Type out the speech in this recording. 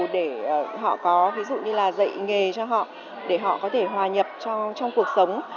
để họ có dạy nghề cho họ để họ có thể hòa nhập trong cuộc sống